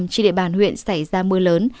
trên địa bàn huyện xảy ra mưa lớn